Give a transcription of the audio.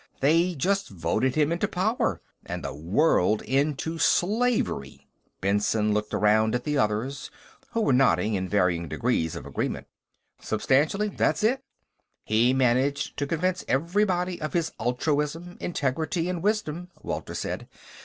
They just voted him into power, and the world into slavery." Benson looked around at the others, who were nodding in varying degrees of agreement. "Substantially, that's it. He managed to convince everybody of his altruism, integrity and wisdom," Walter said.